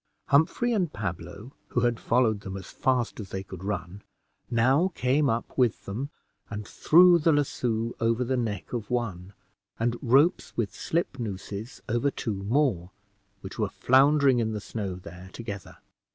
Humphrey and Pablo, who had followed them as fast as they could run, now came up with them and threw the lasso over the neck of one, and ropes with slip nooses over two more, which were floundering in the snow there together.